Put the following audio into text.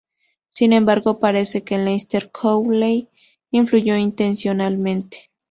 Sin embargo, parece que Aleister Crowley influyó intencionalmente.